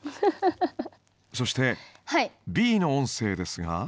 そしてＢの音声ですが。